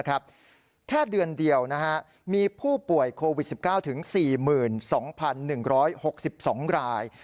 แค่เดือนเดียวมีผู้ป่วยโควิด๑๙ถึง๔๒๑๖๒ราย